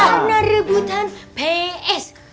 karena rebutan ps